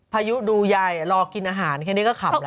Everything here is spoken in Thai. พายุดูใหญ่รอกินอาหารแค่นี้ก็ขำแล้ว